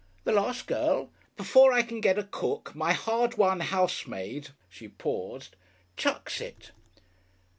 "The last girl. Before I can get a cook, my hard won housemaid" she paused "chucks it."